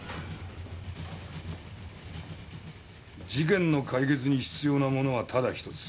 事件の解決に必要なものはただひとつ。